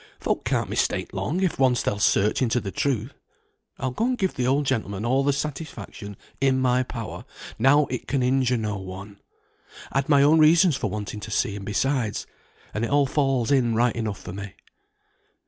Folk can't mistake long if once they'll search into the truth. I'll go and give the old gentleman all the satisfaction in my power, now it can injure no one. I'd my own reasons for wanting to see him besides, and it all falls in right enough for me."